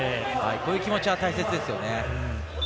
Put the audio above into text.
こういう気持ちは大切ですよね。